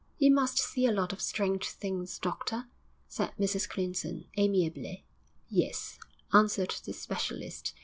'You must see a lot of strange things, doctor,' said Mrs Clinton, amiably. 'Yes,' answered the specialist.